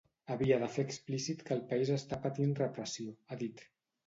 “Havia de fer explícit que el país està patint repressió”, ha dit.